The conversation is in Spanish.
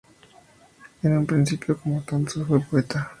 En un principio, como tantos, fue poeta.